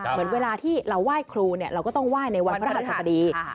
เหมือนเวลาที่เราไหว้ครูเราก็ต้องไหว้ในวันพระราชสบดี